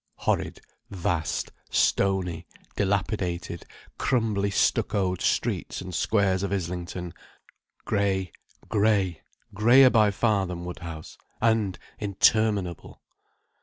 Horrid, vast, stony, dilapidated, crumbly stuccoed streets and squares of Islington, grey, grey, greyer by far than Woodhouse, and interminable.